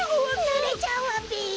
ぬれちゃうわべ！